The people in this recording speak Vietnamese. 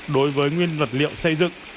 đối với nguyên vật liệu xây dựng